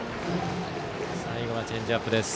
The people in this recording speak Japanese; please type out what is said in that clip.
最後はチェンジアップです。